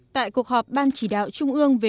tại cuộc họp ban chỉ đạo trung ương về văn hóa